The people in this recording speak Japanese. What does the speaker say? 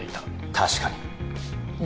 確かに何？